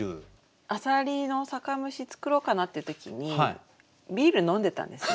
あさりの酒蒸し作ろうかなっていう時にビール飲んでたんですね。